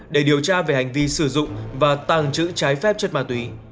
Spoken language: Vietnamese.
để điều tra về hành vi sử dụng và tàng trữ trái phép chất ma túy